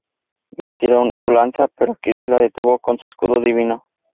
Le tiró su lanza, pero Aquiles la detuvo con su escudo divino.